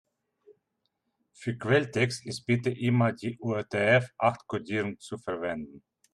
Für Quelltext ist bitte immer die UTF-acht-Kodierung zu verwenden.